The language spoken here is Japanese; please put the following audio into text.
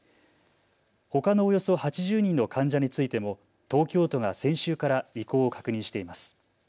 ほかのおよそ８０人の患者についても東京都が先週から意向を確認しています。